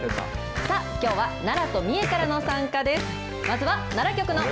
さあ、きょうは奈良と三重からの参加です。